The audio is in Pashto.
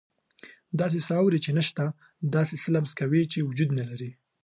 داسې څه اوري چې نه شته، داسې څه لمس کوي چې وجود نه لري.